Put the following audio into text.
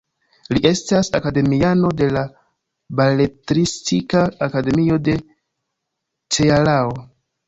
Li estas akademiano de la Beletristika Akademio de Cearao.